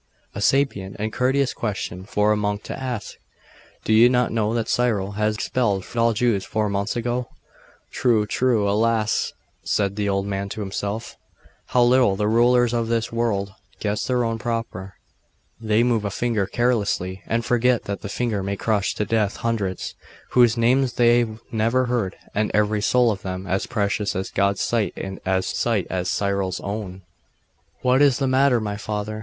'A sapient and courteous question for a monk to ask! Do you not know that Cyril has expelled all Jews four months ago?' 'True, true.... Alas!' said the old man to himself, 'how little the rulers of this world guess their own power! They move a finger carelessly, and forget that that finger may crush to death hundreds whose names they never heard and every soul of them as precious in God's sight as Cyril's own.' 'What is the matter, my father?